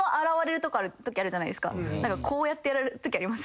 こうやってやられるときありません？